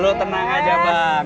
lu tenang aja bang